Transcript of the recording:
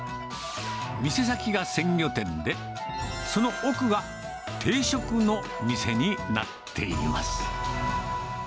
店先が鮮魚店で、その奥が定食の店になっています。